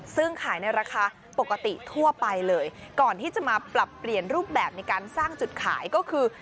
ซึ่งขายในราคาปกติทั่วไปเลยก่อนที่จะมาปรับเปลี่ยนรูปแบบในการสร้างจุดขายก็คือ